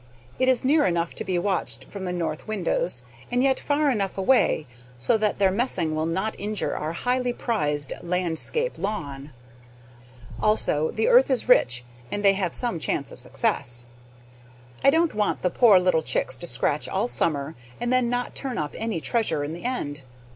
It is near enough to be watched from the north windows, and yet far enough away, so that their messing will not injure our highly prized landscape lawn. Also the earth is rich, and they have some chance of success. I don't want the poor little chicks to scratch all summer, and then not turn up any treasure in the end.